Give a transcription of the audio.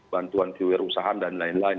bantuan kewirausahaan dan lain lain